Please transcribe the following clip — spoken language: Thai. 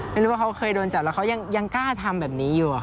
ไม่รู้ว่าเขาเคยโดนจับแล้วเขายังกล้าทำแบบนี้อยู่